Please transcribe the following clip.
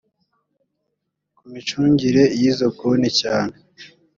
ku micungire y izo konti cyane